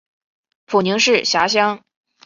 普宁市辖乡。